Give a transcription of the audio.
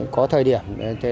có thời điểm